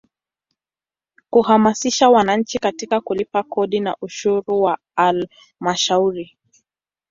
Kuhamasisha wananchi katika kulipa kodi na ushuru wa Halmashauri.